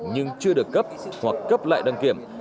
nhưng chưa được cấp hoặc cấp lại đăng kiểm